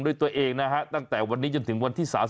ด้วยตัวเองนะฮะตั้งแต่วันนี้จนถึงวันที่๓๐